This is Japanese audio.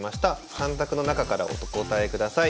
３択の中からお答えください。